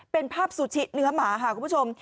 เป็นภาพซูชิเนื้อหมาค่ะคุณผู้ชม